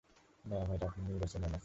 Ma'am, এটা আপনার নির্বাচনী এলাকা।